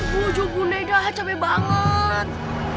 bu joguneda capek banget